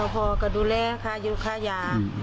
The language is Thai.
พ่อก็ดูแลคายุคไขยา